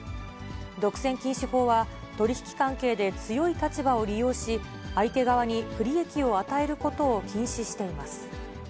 独占禁止法は、取り引き関係で強い立場を利用し、相手側に不利益を与えることを禁止しています。